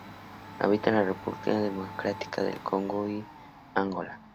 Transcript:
Habita en República Democrática del Congo y Angola.